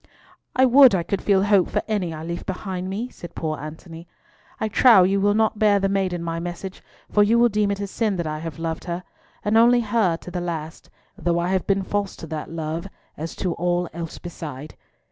"I would I could feel hope for any I leave behind me," said poor Antony. "I trow you will not bear the maiden my message, for you will deem it a sin that I have loved her, and only her, to the last, though I have been false to that love as to all else beside.